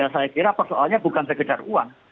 saya kira persoalannya bukan sekedar uang